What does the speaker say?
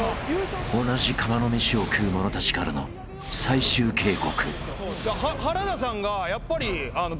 ［同じ釜の飯を食う者たちからの最終警告］